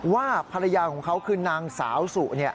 ว่าภรรยาของเขาคือนางสาวสุ